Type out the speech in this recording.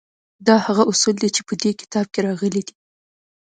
دا هغه اصول دي چې په دې کتاب کې راغلي دي